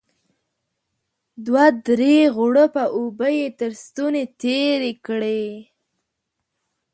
دوه درې غوړپه اوبه يې تر ستوني تېرې کړې.